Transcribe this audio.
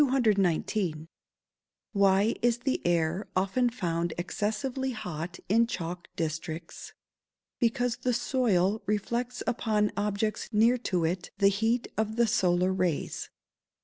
219. Why is the air often found excessively hot in chalk districts? Because the soil reflects upon objects near to it the heat of the solar rays.